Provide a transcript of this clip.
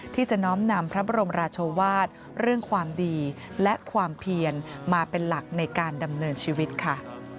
ที่จะน้อมนำพระบรมราชวาสเรื่องความดีและความเพียรมาเป็นหลักในการดำเนินชีวิตค่ะ